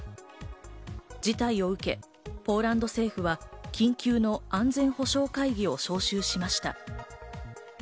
事態を受け、ポーランド政府は緊急の安全保障会議を招集しました。